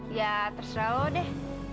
ya terserah lo deh